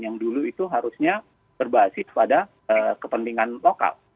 yang dulu itu harusnya berbasis pada kepentingan lokal